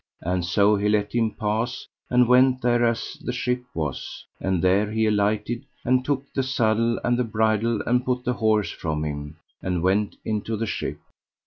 And so he let him pass, and went thereas the ship was; and there he alighted, and took the saddle and the bridle and put the horse from him, and went into the ship.